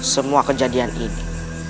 semua kejadian ini